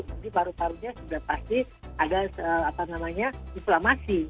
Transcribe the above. nanti paru parunya sudah pasti ada apa namanya inflamasi